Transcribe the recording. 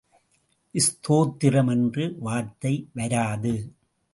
ஸ்தோத்திரம் என்று வார்த்தை வராது.